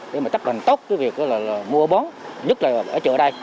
để mà chấp hành tốt cái việc là mua bón nhất là ở chợ đây